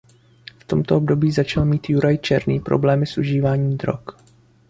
V tomto období začal mít Juraj Černý problémy s užíváním drog.